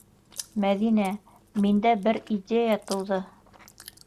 Мәҙинә, миндә бер идея тыуҙы.